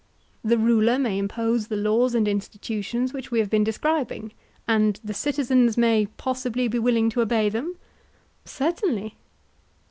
The ruler may impose the laws and institutions which we have been describing, and the citizens may possibly be willing to obey them? Certainly.